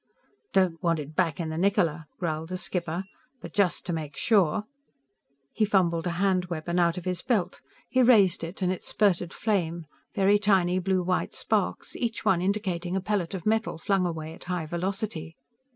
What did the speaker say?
"_Don't want it back in the _Niccola__," growled the skipper, "_but just to make sure _" He fumbled a hand weapon out of his belt. He raised it, and it spurted flame very tiny blue white sparks, each one indicating a pellet of metal flung away at high velocity.